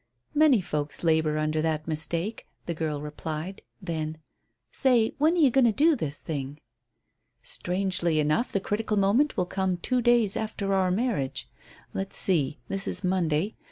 "Many folks labour under that mistake," the girl replied. Then: "Say, when are you going to do this thing?" "Strangely enough, the critical moment will come two days after our marriage. Let's see. This is Monday.